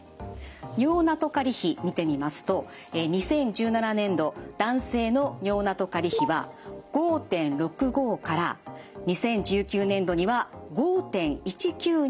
尿ナトカリ比見てみますと２０１７年度男性の尿ナトカリ比は５．６５から２０１９年度には５．１９に減少。